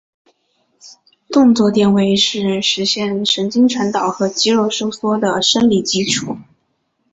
动作电位是实现神经传导和肌肉收缩的生理基础。